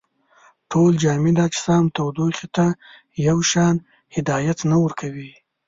ټول جامد اجسام تودوخې ته یو شان هدایت نه ورکوي.